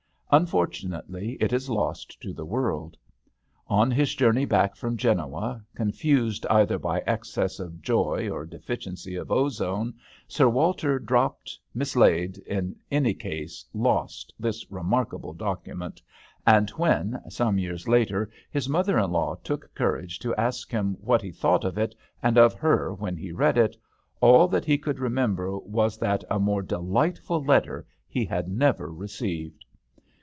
Unfortu nately it is lost to the world. On his journey back from Genoa, THE hAtel d'angleterre. 6 1 confused either by excess of joy or deficiency of ozone, Sir Walter dropped, mislaid, in any case lost, this remarkable document ; and when, some years later, his mother in law took courage to ask him what he thought of it and of her when he read it, all that he could remember was that a more delightful letter he had never received.